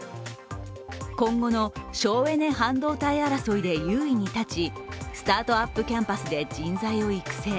今後の省エネ・半導体争いで優位に立ち、スタートアップ・キャンパスで人材を育成。